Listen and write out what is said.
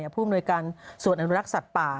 ภูมิโดยการสวดอนุรักษณ์สัตว์ป่า